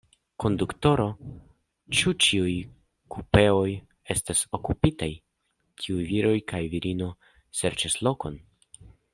Konduktoro, ĉu ĉiuj kupeoj estas okupitaj? tiuj viro kaj virino serĉas lokon.